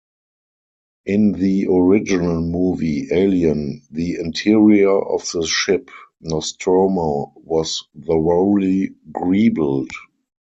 In the original movie "Alien", the interior of the ship, Nostromo, was thoroughly greebled.